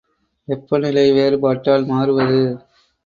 வெப்பநிலை வேறுபாட்டால் மாறுவது.